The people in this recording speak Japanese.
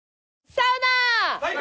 サウナ。